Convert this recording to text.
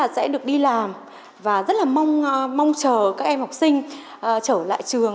chúng ta sẽ được đi làm và rất là mong chờ các em học sinh trở lại trường